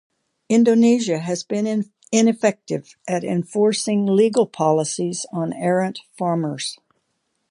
Indonesia has been ineffective at enforcing legal policies on errant farmers.